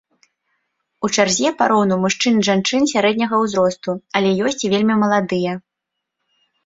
У чарзе пароўну мужчын і жанчын сярэдняга ўзросту, але ёсць і вельмі маладыя.